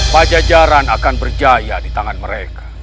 pajajaran akan berjaya di tangan mereka